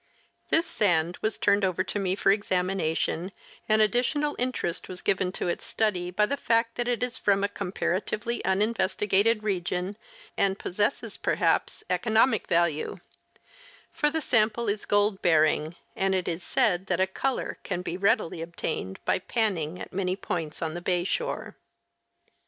This sand was turned over to me for examination, and additional interest was given to its study by the fact that it is from a comparatively uninvestigated region and jjossesses, perhaps, economic value ; for the sample is gold bear ing, and it is said that a " color " can readily be obtained by " panning " at many points on the bay shore.